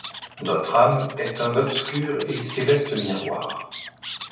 Notre âme est un obscur et céleste miroir.